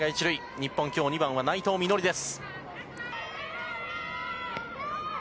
日本、きょう、２番は内藤実穂です。